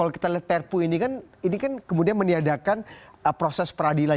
kalau kita lihat perpu ini kan ini kan kemudian meniadakan proses peradilan